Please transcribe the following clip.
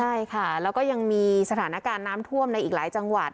ใช่ค่ะแล้วก็ยังมีสถานการณ์น้ำท่วมในอีกหลายจังหวัด